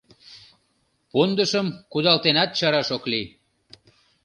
Пундышым кудалтенат чараш ок лий.